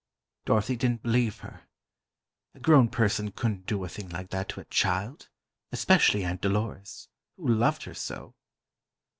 Dorothy didn't believe her. A grown person couldn't do a thing like that to a child—especially Aunt Dolores, who loved her so.